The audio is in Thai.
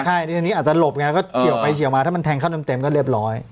ใช่ทีนี้อาจจะหลบไงก็เฉียวไปเฉียวมาถ้ามันแทงเข้าเต็มก็เรียบร้อย